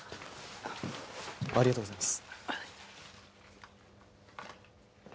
ありがとうございます。